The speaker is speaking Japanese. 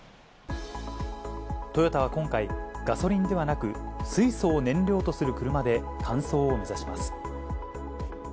トヨタは今回、ガソリンではなく、水素を燃料とする車で完走を目指します。